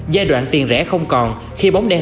giai đoạn tiền rẻ không còn khi bóng đen